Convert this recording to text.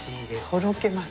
とろけます。